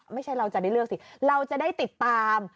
ไม่ใช่เราจะได้เลือกสิเราจะได้ติดตาม